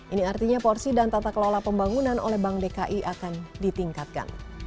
ini artinya porsi dan tata kelola pembangunan oleh bank dki akan ditingkatkan